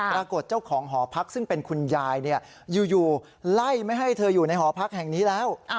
ปรากฏเจ้าของหอพักซึ่งเป็นคุณยายอยู่ไล่ไม่ให้เธออยู่ในหอพักแห่งนี้แล้ว